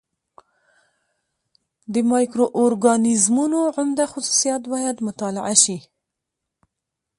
د مایکرو اورګانیزمونو عمده خصوصیات باید مطالعه شي.